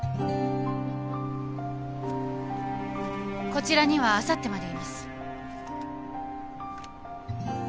こちらにはあさってまでいます。